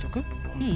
いい？